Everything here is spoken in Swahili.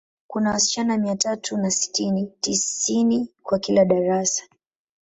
Kuna wasichana mia tatu na sitini, tisini kwa kila darasa.